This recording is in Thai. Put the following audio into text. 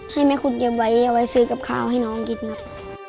ให้แม่คุณเก็บไว้เอาไว้ซื้อกับข้าวให้น้องกินครับ